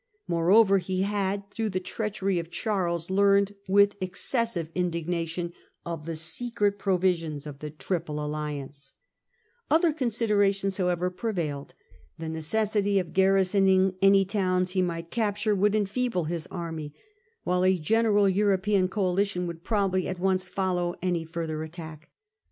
Moreover he had, through the treachery of Charles, learned with excessive His reasons. j n( jig nat j on 0 f the secret provisions of the Triple Alliance. Other considerations however pre M 2 i668. 1 64 Peace of A ix la Chapelle, vailed. The necessity of garrisoning any towns he might capture would enfeeble his army ; while a general European coalition would probably at once follow any further attack.